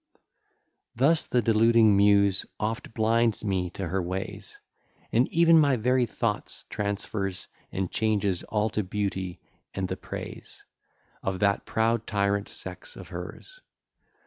X Thus the deluding Muse oft blinds me to her ways, And ev'n my very thoughts transfers And changes all to beauty and the praise Of that proud tyrant sex of hers.